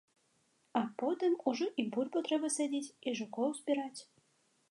А потым ужо і бульбу трэба садзіць, і жукоў збіраць.